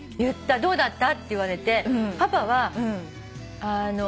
「どうだった？」って言われてパパはあの。